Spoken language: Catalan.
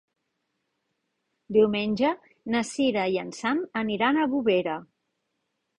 Diumenge na Cira i en Sam aniran a Bovera.